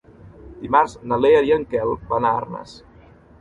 Dimarts na Lea i en Quel van a Arnes.